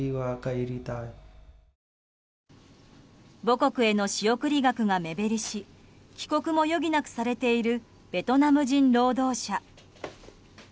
母国への仕送り額が目減りし帰国も余儀なくされているベトナム人労働者。